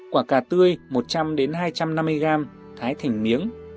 quả cà tươi một trăm linh hai trăm năm mươi gram thái thành miếng